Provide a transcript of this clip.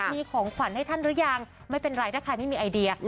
มีของขวัญให้ท่านหรือยังไม่เป็นไรถ้าใครไม่มีไอเดีย